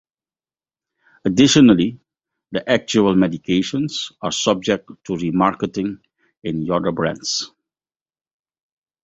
Additionally, the actual medications are subject to remarketing in other brands.